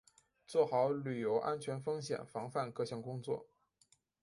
做好旅游安全风险防范各项工作